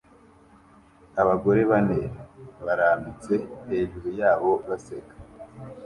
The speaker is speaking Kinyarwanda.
Abagore bane barambitse hejuru yabo baseka